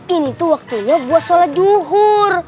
ini tuh waktunya buat sholat zuhur